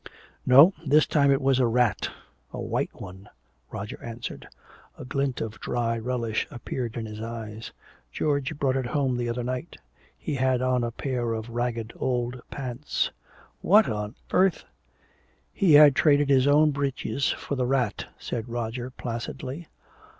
"No, this time it was a rat a white one," Roger answered. A glint of dry relish appeared in his eyes. "George brought it home the other night. He had on a pair of ragged old pants." "What on earth " "He had traded his own breeches for the rat," said Roger placidly.